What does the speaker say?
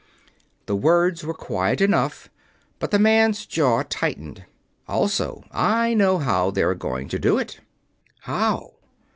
The words were quiet enough, but the man's jaw tightened. "Also, I know how they are going to do it." "How?"